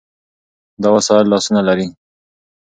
دا وسایل لاسونه لري.